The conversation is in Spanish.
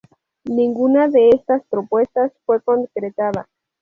Ninguna de estas propuestas fue concretada.